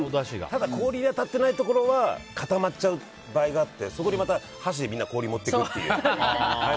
ただ氷が当たっていないところは固まってしまう場合があってそこにまた箸で氷を持っていくと。